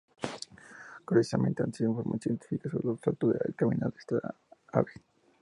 Curiosamente, no hay información científica sobre los saltos o el caminar de esta ave.